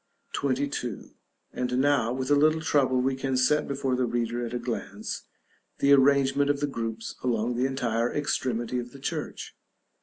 § XXII. And now, with a little trouble, we can set before the reader, at a glance, the arrangement of the groups along the entire extremity of the church.